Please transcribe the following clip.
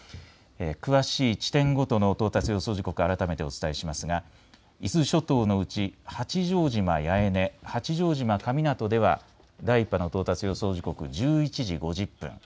詳しい地点ごとの到達予想時刻、改めてお伝えしますが、伊豆諸島のうち八丈島八重根、八丈島神湊では第１波の到達予想時刻１１時５０分。